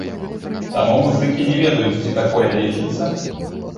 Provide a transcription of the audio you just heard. Таму музыкі не ведаюць, ці такое лічыцца.